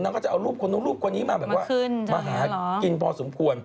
นางก็จะเอารูปคนนุ่มรูปคนนี้มามาหากินพอสมควร